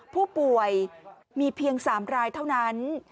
พวกป่วยมีเพียงสามรายเท่านั้น